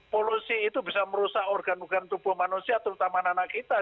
polusi itu bisa merusak organ organ tubuh manusia terutama anak anak kita